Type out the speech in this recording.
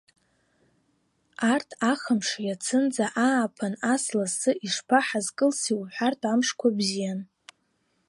Арҭ ахымш, иацынӡа ааԥын ас лассы ишԥаҳазкылси уҳәартә амшқәа бзиан.